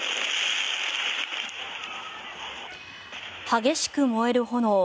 激しく燃える炎。